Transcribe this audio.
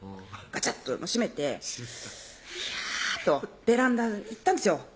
ガチャッと閉めていやとベランダ行ったんですよ